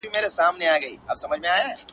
د رنځونو ورته مخ صورت پمن سو-